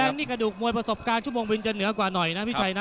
นี่กระดูกมวยประสบการณ์ชั่วโมงบินจะเหนือกว่าหน่อยนะพี่ชัยนะ